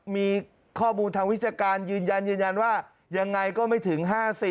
มีข้อมูลทางวิชาการยืนยันยืนยันว่ายังไงก็ไม่ถึง๕๐